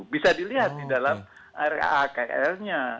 bisa dilihat di dalam raa kr nya